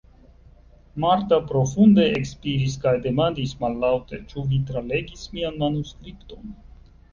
Marta profunde ekspiris kaj demandis mallaŭte: -- Ĉu vi tralegis mian manuskripton?